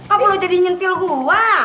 apa lo jadi nyentil gua